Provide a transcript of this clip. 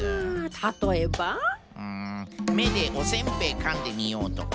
うん「めでおせんべいかんでみよう」とか。